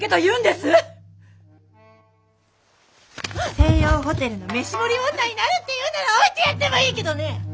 西洋ホテルの飯盛り女になるって言うなら置いてやってもいいけどね。